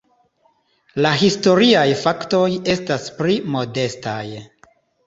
La historiaj faktoj estas pli modestaj.